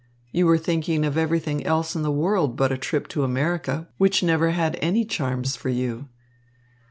You were thinking of everything else in the world but a trip to America, which never had any charms for you."